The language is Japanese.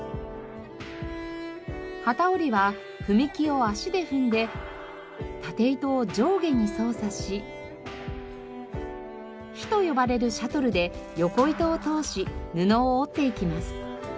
機織りは踏み木を足で踏んで縦糸を上下に操作し杼と呼ばれるシャトルで横糸を通し布を織っていきます。